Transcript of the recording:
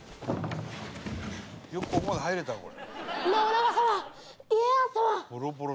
「よくここまで入れたなこれ」